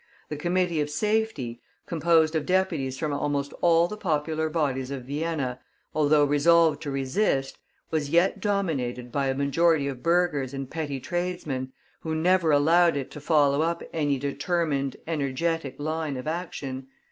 The committee of safety, composed of deputies from almost all the popular bodies of Vienna, although resolved to resist, was yet dominated by a majority of burghers and petty tradesmen, who never allowed it to follow up any determined, energetic line of action.